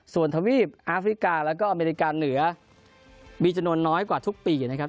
ส่วนทวีปอาฟริกาแล้วก็อเมริกาเหนือมีจำนวนน้อยกว่าทุกปีนะครับ